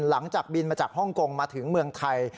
หลังจากบินมาจากฮ่องกงมาถึงเมืองไทย